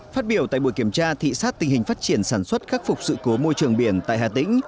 phát biểu tại buổi kiểm tra thị sát tình hình phát triển sản xuất khắc phục sự cố môi trường biển tại hà tĩnh